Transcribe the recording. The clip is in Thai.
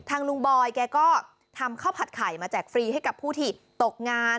ลุงบอยแกก็ทำข้าวผัดไข่มาแจกฟรีให้กับผู้ที่ตกงาน